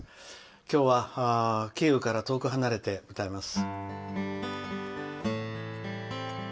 今日は「キーウから遠く離れて」を歌います。